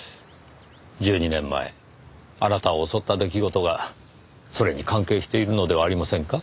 １２年前あなたを襲った出来事がそれに関係しているのではありませんか？